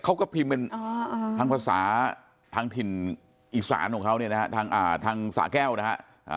เขาก็พิมพ์เป็นทางภาษาทางถิ่นอีสานของเขาเนี่ยนะฮะทางสาแก้วนะฮะ